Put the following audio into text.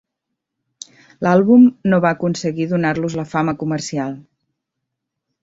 L'àlbum no va aconseguir donar-los la fama comercial.